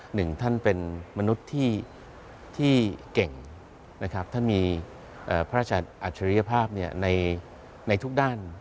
หนึ่งท่านเป็นมนุษย์ที่เก่งนะครับท่านมีพระราชอัจฉริยภาพในทุกด้าน